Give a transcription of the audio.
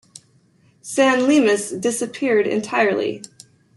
"San Lesmes" disappeared entirely.